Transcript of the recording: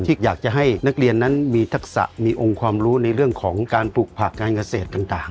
อยากจะให้นักเรียนนั้นมีทักษะมีองค์ความรู้ในเรื่องของการปลูกผักการเกษตรต่าง